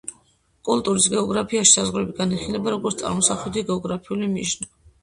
კულტურის გეოგრაფიაში საზღვარი განიხილება როგორც წარმოსახვითი გეოგრაფიული მიჯნა.